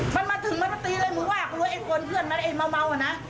มันมาถึงมันมาตีเลยมึงว่ากลัวไอ้กวนเพื่อนมันไอ้เมาอ่ะนะ